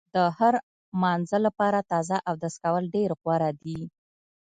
د هر مانځه لپاره تازه اودس کول ډېر غوره دي.